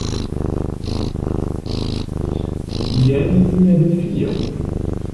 Jen nia defio.